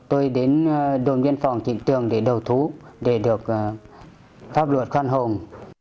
tôi đến đồn biên phòng trịnh tường để đầu thú để được pháp luật khoan hồng